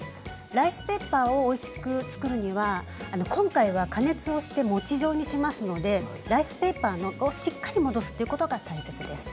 ライスペーパーをおいしく作るには今回は加熱して餅状にしますのでライスペーパーのしっかり戻すということが大事です。